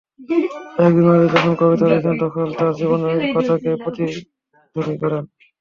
একজন নারী যখন কবিতা লেখেন তখন তঁার জীবনের কথাকেই প্রতিধ্বনি করেন।